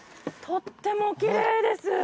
とってもきれいです！